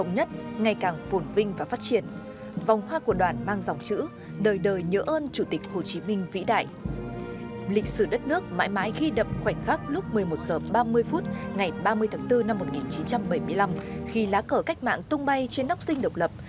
ngày ba mươi tháng bốn năm một nghìn chín trăm bảy mươi năm khi lá cờ cách mạng tung bay trên nóc dinh độc lập